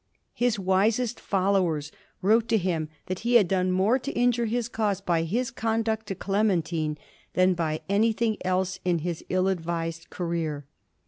His wisest followers wrote to him that he had done more to injure his cause by his conduct to Clementine than by any thing else in his ill advised career.